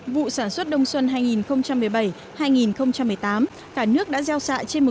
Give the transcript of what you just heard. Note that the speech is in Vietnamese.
vụ sản xuất đông xuân hai nghìn một mươi bảy hai nghìn một mươi tám cả nước đã gieo sạ trên một một trăm hai mươi sáu ha lúa